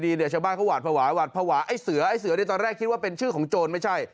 เนื้อชาวบ้านเขาหวัดภาวะไอ้เสือตอนแรกคิดว่าเป็นชื่อของโจรไม่ใช่